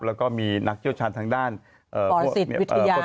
แล้วก็มีนักเจ้าชาญทางด้านปรสิทธิ์วิทยาเนี่ย